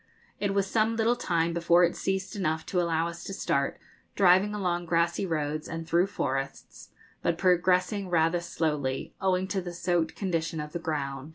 It was some little time before it ceased enough to allow us to start, driving along grassy roads and through forests, but progressing rather slowly, owing to the soaked condition of the ground.